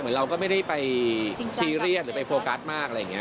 เราก็ไม่ได้ไปซีเรียสหรือไปโฟกัสมากอะไรอย่างนี้